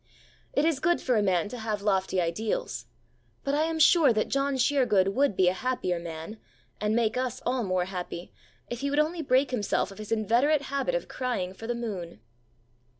It is good for a man to have lofty ideals; but I am sure that John Sheergood would be a happier man, and make us all more happy, if he would only break himself of his inveterate habit of crying for the moon.